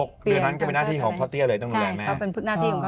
เขาเป็นหน้าตีของเขาทั้งเลยคะ